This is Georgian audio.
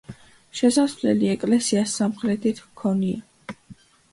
შესასვლელი ეკლესიას სამხრეთით ჰქონია.